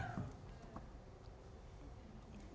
ดาราใช่ไหมฮะ